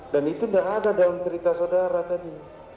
dan itu sudah ada dalam cerita saudara tadi